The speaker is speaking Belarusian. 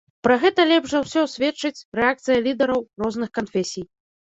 Пра гэта лепш за ўсё сведчыць рэакцыя лідараў розных канфесій.